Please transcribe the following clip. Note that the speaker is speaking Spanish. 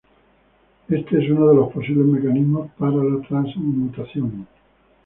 Este es uno de los posibles mecanismos para la transmutación.